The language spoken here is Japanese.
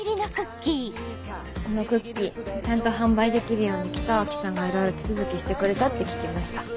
このクッキーちゃんと販売できるように北脇さんがいろいろ手続きしてくれたって聞きました。